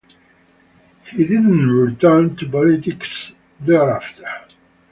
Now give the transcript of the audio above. He did not return to politics thereafter.